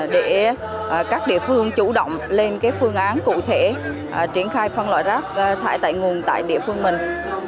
để các địa phương chủ động lên phương án cụ thể triển khai phân loại rác thải tại nguồn tại địa phương mình